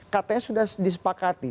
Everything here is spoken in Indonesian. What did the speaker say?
katanya sudah disepakati